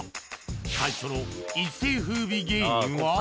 最初の一世風靡芸人は？